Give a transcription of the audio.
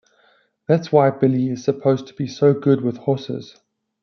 That's why Billy is supposed to be so good with horses.